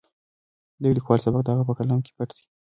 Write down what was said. د یو لیکوال سبک د هغه په کلام کې پټ وي.